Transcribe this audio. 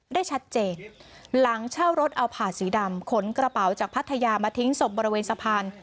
ได้ชัดเจนหลังเช่ารถเอาผ่าสีดำขนกระเป๋าจากพัทยามาทิ้งศพบริเวณสะพาน